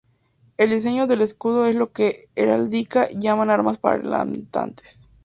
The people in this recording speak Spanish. El diseño del escudo es en lo que heráldica llaman armas parlantes.